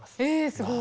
すごい。